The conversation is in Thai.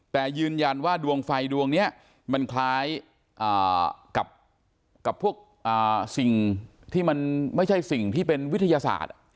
แต่ยืนยันว่าดวงไฟดวงนี้มันคล้ายกับพวกสิ่งที่มันไม่ใช่สิ่งที่เป็นวิทยาศาสตร์